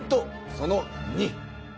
その２。